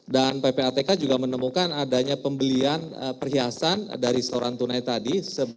dan ppatk juga menemukan adanya pembelian perhiasan dari setoran tunai tadi